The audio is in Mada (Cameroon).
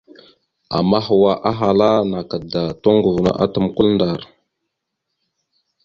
Ama hwa ahala naka da, toŋgov no atam kwal ndar.